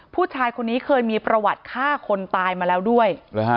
ผู้ชายคนนี้เคยมีประวัติฆ่าคนตายมาแล้วด้วย